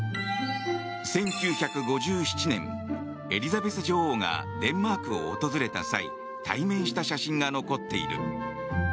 １９５７年、エリザベス女王がデンマークを訪れた際対面した写真が残っている。